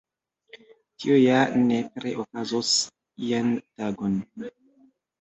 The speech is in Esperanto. Tio ja nepre okazos ian tagon.